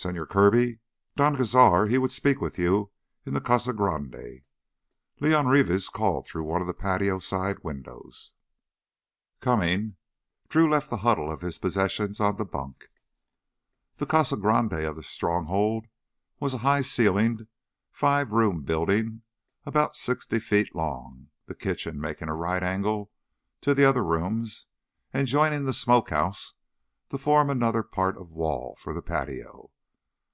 "Señor Kirby, Don Cazar—he would speak with you in the Casa Grande," León Rivas called through one of the patio side windows. "Coming." Drew left the huddle of his possessions on the bunk. The Casa Grande of the Stronghold was a high ceilinged, five room building about sixty feet long, the kitchen making a right angle to the other rooms and joining the smoke house to form part of another wall for the patio.